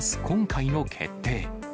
今回の決定。